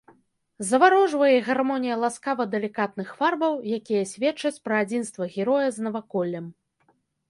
Заварожвае і гармонія ласкава-далікатных фарбаў, якія сведчаць пра адзінства героя з наваколлем.